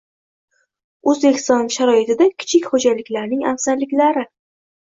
O‘zbekiston sharoitida kichik xo‘jaliklarning afzalliklari